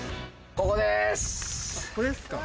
ここですか。